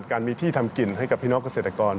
การมีที่ทำกินให้กับพี่น้องเกษตรกร